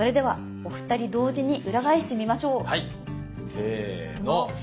せの。